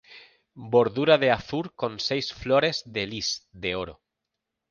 Bordura de azur con seis flores de lis, de oro.